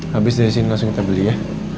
habis dari sini langsung kita beli ya